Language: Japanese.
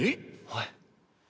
はい？